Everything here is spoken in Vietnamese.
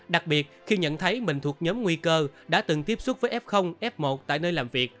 đặc biệt khi nhận thấy mình thuộc nhóm nguy cơ đã từng tiếp xúc với f f một tại nơi làm việc